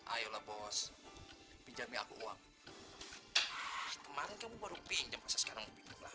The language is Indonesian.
ayolah bos pinjami aku uang